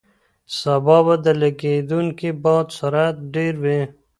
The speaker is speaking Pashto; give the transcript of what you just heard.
سبا به د لګېدونکي باد سرعت ډېر وي.